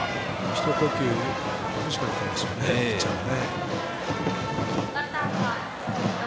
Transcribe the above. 一呼吸、欲しかったですねピッチャーも。